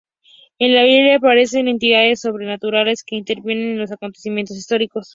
En la Biblia aparecen entidades sobrenaturales que intervienen en los acontecimientos históricos.